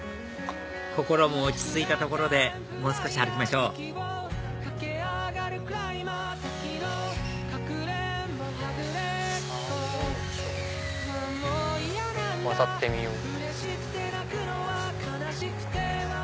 心も落ち着いたところでもう少し歩きましょう渡ってみよう。